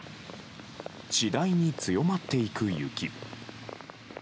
次第に強まっていく雪。